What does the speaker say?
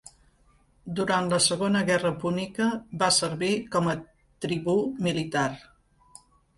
Durant la Segona Guerra Púnica va servir com a tribú militar.